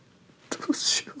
どうしよう。